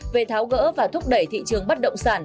về tháo gỡ và thúc đẩy thị trường bất động sản